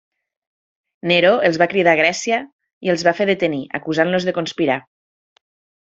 Neró els va cridar a Grècia i els va fer detenir, acusant-los de conspirar.